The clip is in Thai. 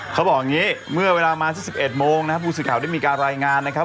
เขาบอกอย่างนี้เมื่อเวลามาสัก๑๑โมงนะครับผู้สื่อข่าวได้มีการรายงานนะครับ